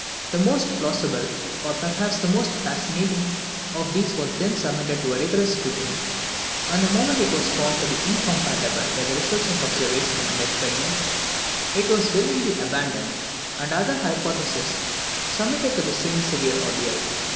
The most plausible, or perhaps the most fascinating, of these was then submitted to a rigorous scrutiny; and the moment it was found to be incompatible with the results of observation and experiment, it was willingly abandoned, and another hypothesis submitted to the same severe ordeal.